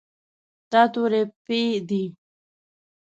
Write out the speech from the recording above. دا توری "پ" دی.